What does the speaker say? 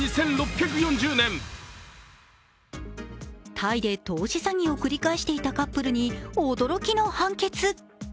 タイで投資詐欺を繰り返していたカップルに驚きの判決。